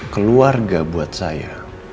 keluarga buat saya